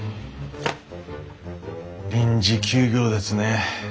臨時休業ですね。